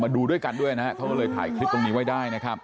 ดูด้วยกันด้วยนะครับเขาก็เลยถ่ายคลิปตรงนี้ไว้ได้นะครับ